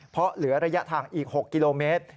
เพราะเหลือระยะทางอีก๖กิโลเมตร